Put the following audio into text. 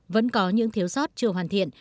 vẫn có những thiếu sót chưa hoàn thiện